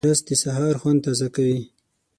رس د سهار خوند تازه کوي